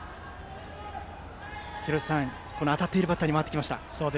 廣瀬さん、当たっているバッターに回ってきました。